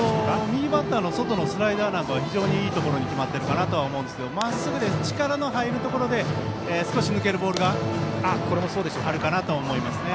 右バッターの外のスライダーなんかは非常にいいところに決まっていると思いますがまっすぐで力の入るところで少し抜けるボールがあるかなと思います。